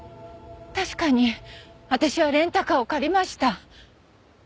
確かに私はレンタカーを借りました。